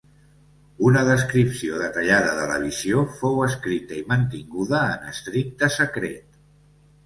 Una descripció detallada de la visió fou escrita i mantinguda en estricte secret.